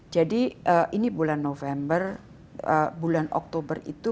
jadi ini bulan oktober itu